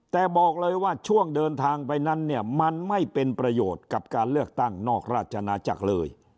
แต่บอกเลยว่าช่วงเดินทางไปนั้นเนี่ยมันไม่เป็นประโยชน์กับการเลือกตั้งนอกราชนาจักรเลย